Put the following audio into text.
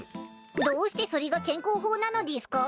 どうしてそりが健康法なのでぃすか？